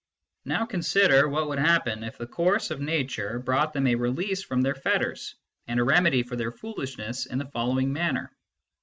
Now consider what would happen if the course of nature brought them a release from their fetters, and a remedy for their foolishness, in the following manner.